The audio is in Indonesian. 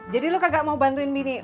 jadi lo kagak mau bantuin bini